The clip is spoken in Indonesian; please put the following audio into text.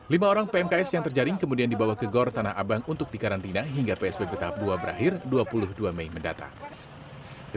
lima orang pmks yang terjaring kemudian dibawa ke gor tanah abang untuk dikarantina hingga psbb tahap dua berakhir dua puluh dua mei mendatang